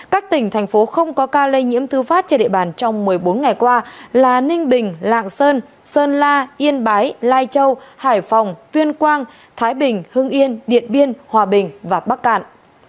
các tỉnh thành phố không có ca lây nhiễm thư phát trên địa bàn trong một mươi bốn ngày qua là ninh bình lạng sơn sơn la yên bái lai châu hải phòng tuyên quang thái bình hưng yên điện biên hòa bình và bắc cạn